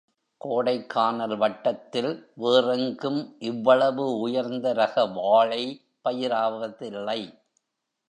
கோடைக்கானல் வட்டத்தில் வேறெங்கும் இவ்வளவு உயர்ந்த ரக வாழை பயிராவதில்லை.